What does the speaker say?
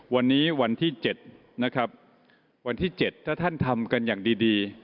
วันนี้วันที่๗นะครับวันที่๗ถ้าท่านทำกันอย่างดี